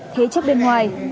thế chấp bên ngoài